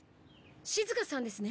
しずかさんですね。